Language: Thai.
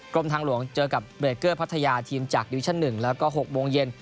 กรมทางหลวงเจอกับเบรกเกอร์พัทยาทีมจากดิวิชั่น๑แล้วก็๖โมงเย็น